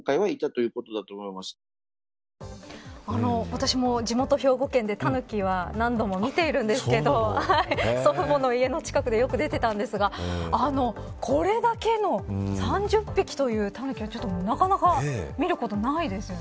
私も地元兵庫県でタヌキは何度も見ているんですけど祖父母の家の近くでよく出てたんですがこれだけの、３０匹というタヌキはなかなか見ることないですよね。